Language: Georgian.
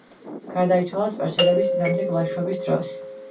გარდაიცვალა სპარსელების წინააღმდეგ ლაშქრობის დროს.